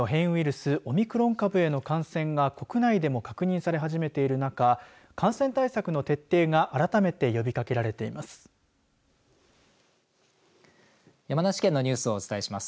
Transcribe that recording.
スオミクロン株の感染が国内でも確認され始めている中感染対策の徹底が改めて呼びかけられています。